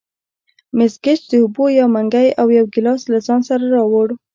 مس ګېج د اوبو یو منګی او یو ګیلاس له ځان سره راوړ.